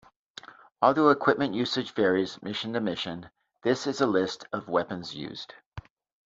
Although equipment usage varies mission-to-mission, this is a list of weapons used.